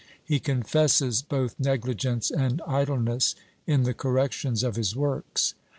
He confesses both negligence and idleness in the corrections of his works.